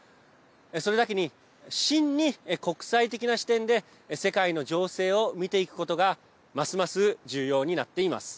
それだけに、真に国際的な視点で世界の情勢を見ていくことがますます重要になっています。